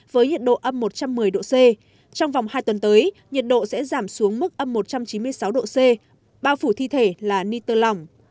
với nhiệt độ ấm một trăm một mươi độ c trong vòng hai tuần tới nhiệt độ sẽ giảm xuống mức ấm một trăm chín mươi sáu độ c bao phủ thi thể là nitro lòng